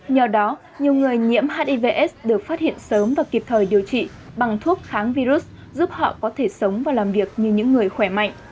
nhờ đó nhiều người nhiễm hivs được phát hiện sớm và kịp thời điều trị bằng thuốc kháng virus giúp họ có thể sống và làm việc như những người khỏe mạnh